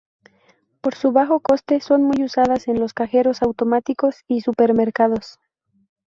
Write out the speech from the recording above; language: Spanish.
Por su bajo coste, son muy usadas en los cajeros automáticos y supermercados.